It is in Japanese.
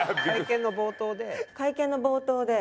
「会見の冒頭で」。